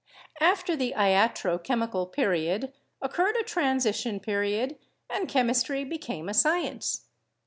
After the Iatro Chemical Period occurred a transition period and chemistry became a science.